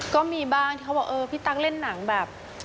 ก็มีบ้างที่เขาบอกเออพี่ตั๊กเล่นหนังแบบ